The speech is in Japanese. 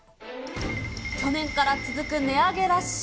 去年から続く値上げラッシュ。